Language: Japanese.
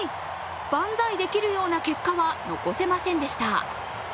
バンザイできるような結果は残せませんでした。